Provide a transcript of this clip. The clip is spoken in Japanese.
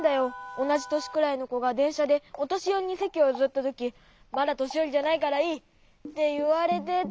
おなじとしくらいのこがでんしゃでおとしよりにせきをゆずったとき「まだとしよりじゃないからいい」っていわれてて。